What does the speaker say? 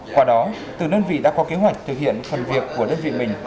qua đó từng đơn vị đã có kế hoạch thực hiện phần việc của đơn vị mình